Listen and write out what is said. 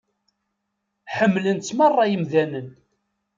Ḥemmlen-tt meṛṛa yemdanen.